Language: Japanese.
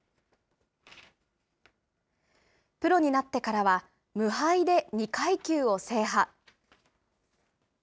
プロになってからは、無敗で２階級を制覇。